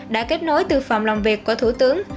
đã kết nối tư phòng làm việc của thủ tướng